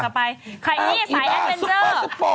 ไปไข่นี่สายแอดเวนเจอร์